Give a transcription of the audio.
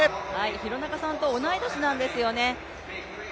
廣中さんと同い年なんですよね。